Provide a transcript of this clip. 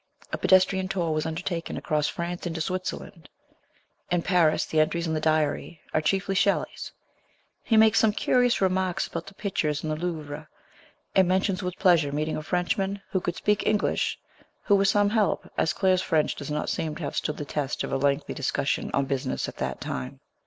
A pedestrian tour was undertaken across France into Switzerland. In Paris the entries in the diary are chiefly Shelley's; he makes some curious remarks about the pictures in the Louvre, and mentions with pleasure meeting a Frenchman who could speak English who was some help, as Claire's French does not seem to have stood the test of a lengthy discussion on business at that time.